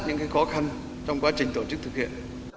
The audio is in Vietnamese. những khó khăn trong quá trình tổ chức thực hiện